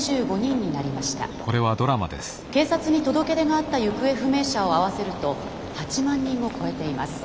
警察に届け出があった行方不明者を合わせると８万人を超えています。